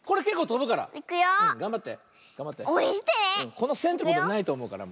このせんってことないとおもうから。